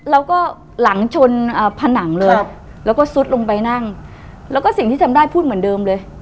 แล้วก็หลังชนผนังเลยแล้วก็ซุดลงไปนั่งแล้วก็สิ่งที่ทำได้พูดเหมือนเดิมเลย